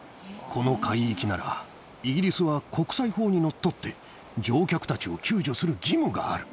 この海域なら、イギリスは国際法にのっとって、乗客たちを救助する義務がある。